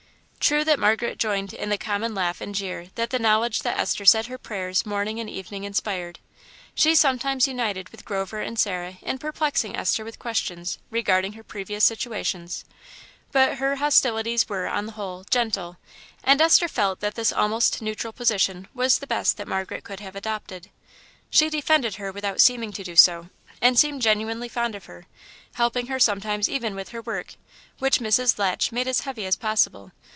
True that Margaret joined in the common laugh and jeer that the knowledge that Esther said her prayers morning and evening inspired. She sometimes united with Grover and Sarah in perplexing Esther with questions regarding her previous situations, but her hostilities were, on the whole, gentle, and Esther felt that this almost neutral position was the best that Margaret could have adopted. She defended her without seeming to do so, and seemed genuinely fond of her, helping her sometimes even with her work, which Mrs. Latch made as heavy as possible.